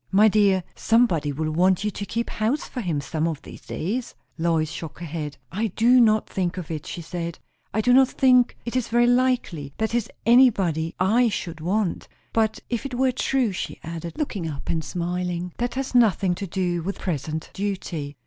"My dear, somebody will want you to keep house for him, some of these days." Lois shook her head. "I do not think of it," she said. "I do not think it is very likely; that is, anybody I should want. But if it were true," she added, looking up and smiling, "that has nothing to do with present duty."